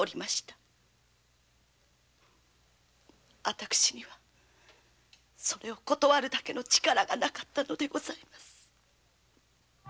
わたくしにはそれを断る力がなかったのでございます。